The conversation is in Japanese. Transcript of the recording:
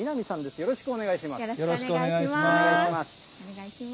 よろしくお願いします。